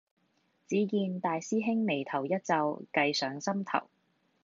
只見大師兄眉頭一皺，計上心頭